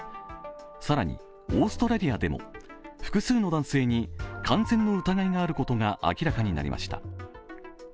更にオーストラリアでも複数の男性に感染の疑いがあることが明らかになりました。